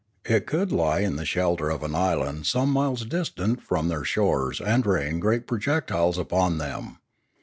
It could lie in the shelter of an island some miles distant from their shores and rain great projectiles upon them.